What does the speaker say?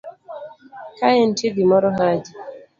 kaenitie gimoro Haji